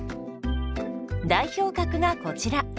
代表格がこちら。